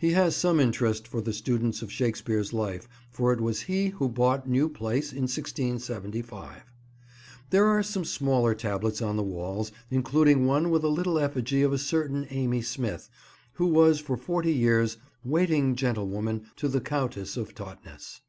He has some interest for the students of Shakespeare's life, for it was he who bought New Place in 1675. There are some smaller tablets on the walls, including one with a little effigy of a certain Amy Smith, who was for forty years "waiting gentlewoman" to the Countess of Totnes.